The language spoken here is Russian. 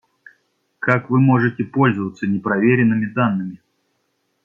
Как Вы можете пользоваться непроверенными данными?